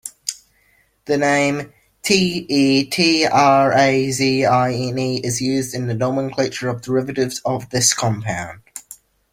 The name "tetrazine" is used in the nomenclature of derivatives of this compound.